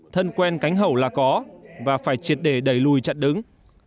thân quen cánh hậu là có và phải triệt để đẩy lùi chặt đứng